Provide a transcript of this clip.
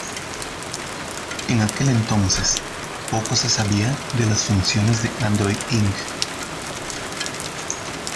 En aquel entonces, poco se sabía de las funciones de Android Inc.